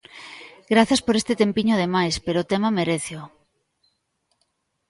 Grazas por este tempiño de máis, pero o tema meréceo.